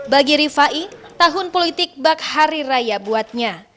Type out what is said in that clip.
bagi rifai tahun politik bak hari raya buatnya